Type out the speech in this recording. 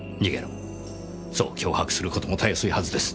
そう脅迫する事もたやすいはずです。